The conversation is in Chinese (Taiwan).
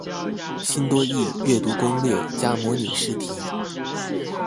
新多益閱讀攻略加模擬試題